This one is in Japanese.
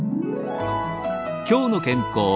「きょうの健康」。